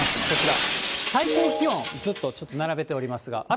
こちら、最高気温、ちょっと並べておりますが。